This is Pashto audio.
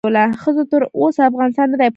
ښځو تر اوسه افغانستان ندې پلورلی